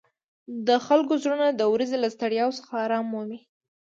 د خلکو زړونه د ورځې له ستړیاوو څخه آرام مومي.